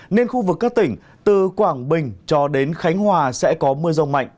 nên khu vực các tỉnh từ quảng bình cho đến khánh hòa sẽ có mưa rông mạnh